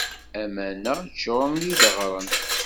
Aman-a ččuren d ideɣren.